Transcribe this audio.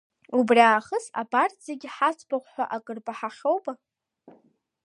Убри аахыс абарҭ зегьы ҳаӡбахә ҳәа акыр баҳахьоума?